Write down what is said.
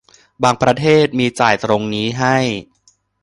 บางประเทศมีจ่ายตรงนี้ให้